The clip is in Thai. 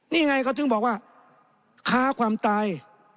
นี่ไงเขาถึงบอกว่าค้าความตาย